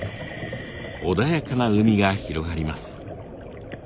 穏やかな海が広がります。